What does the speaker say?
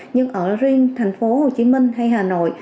nhưng ở riêng thành phố hồ chí minh hay hà nội